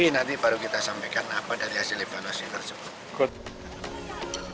nanti baru kita sampaikan apa dari hasil evaluasi tersebut